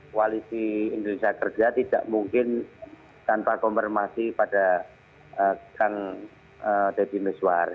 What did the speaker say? kualisi indonesia kerja tidak mungkin tanpa konfirmasi pada kang dedy mezwar